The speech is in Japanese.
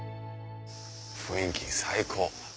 雰囲気最高。